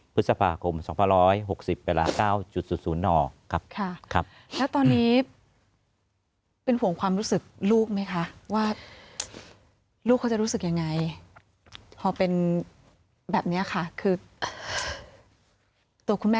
พฤษภากรมเช้า๑๖